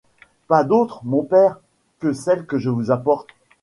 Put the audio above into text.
Pas d'autre, mon père, que celle que je vous apporte.